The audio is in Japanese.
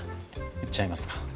いっちゃいますか？